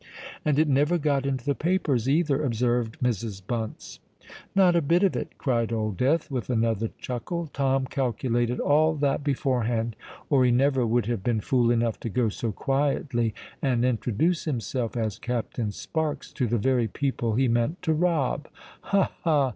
"And it never got into the papers either," observed Mrs. Bunce. "Not a bit of it!" cried Old Death, with another chuckle. "Tom calculated all that beforehand—or he never would have been fool enough to go so quietly and introduce himself as Captain Sparks to the very people he meant to rob. Ha! ha!